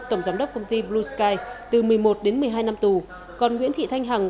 tổng giám đốc công ty blue sky từ một mươi một đến một mươi hai năm tù còn nguyễn thị thanh hằng